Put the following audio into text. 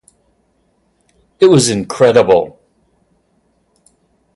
It was incredible.